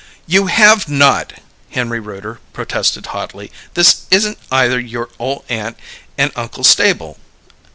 "You have not!" Henry Rooter protested hotly. "This isn't either your ole aunt and uncle's stable."